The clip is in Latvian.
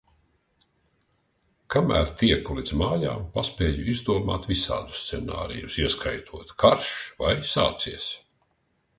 Kamēr tieku līdz mājām, paspēju izdomāt visādus scenārijus, ieskaitot – karš, vai, sācies?...